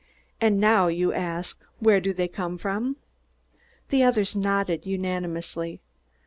"And now, you ask, where do they come from?" The others nodded unanimously.